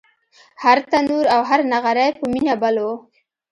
هر تنور او هر نغری په مینه بل و